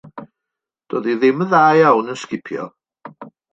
Doedd hi ddim yn dda iawn yn sgipio.